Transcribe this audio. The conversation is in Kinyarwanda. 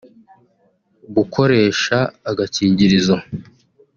gukoresha agakingirizo